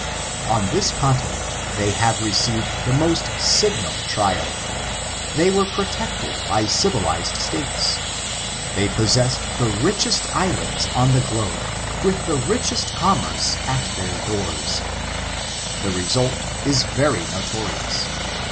On thia continent^ they have received the moat lignal triaL They were protected by civilised States. They possessed the richest islanda on the globe, witli the richest commerce at tbeb doors. The result is veiy notorioos.